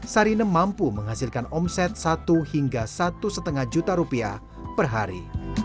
sarine mampu menghasilkan omset satu hingga satu lima juta rupiah per hari